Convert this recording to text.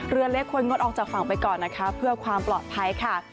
เรือเล็กควรงดออกจากฝั่งไปก่อนนะคะเพื่อความปลอดภัยค่ะ